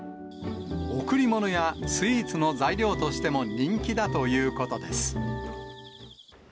贈り物やスイーツの材料としても人気だということです。